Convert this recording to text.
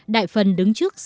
đại phần đứng trước